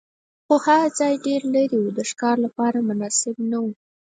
خو هغه ځای ډېر لرې و، د ښکار لپاره مناسب نه و.